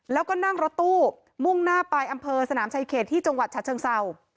แล้วก็นั่งรถตู้มุ่งหน้าไปอำเภอสนามชายเขตที่จังหวัดฉะเชิงเศร้า